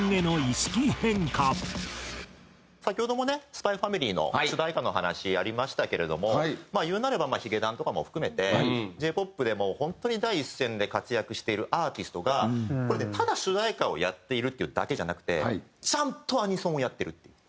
先ほどもね『ＳＰＹ×ＦＡＭＩＬＹ』の主題歌の話ありましたけれども言うなればまあヒゲダンとかも含めてＪ−ＰＯＰで本当に第一線で活躍しているアーティストがこれねただ主題歌をやっているっていうだけじゃなくてちゃんとアニソンをやってるっていう。